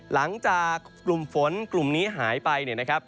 หลังจากกลุ่มฝนกลุ่มนี้หายไปเนี่ยนะครับ